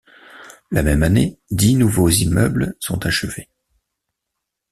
La même année, dix nouveaux immeubles sont achevés.